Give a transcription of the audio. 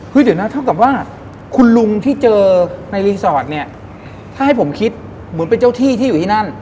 เดี๋ยวนะเท่ากับว่าคุณลุงที่เจอในรีสอร์ทเนี่ยถ้าให้ผมคิดเหมือนเป็นเจ้าที่ที่อยู่ที่นั่น